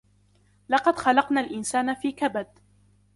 لَقَدْ خَلَقْنَا الْإِنْسَانَ فِي كَبَدٍ